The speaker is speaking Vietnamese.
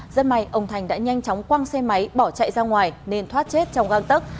rất may ông thành đã nhanh chóng quăng xe máy bỏ chạy ra ngoài nên thoát chết trong găng tấc